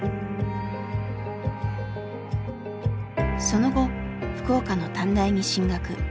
その後福岡の短大に進学。